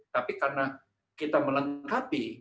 tapi karena kita melengkapi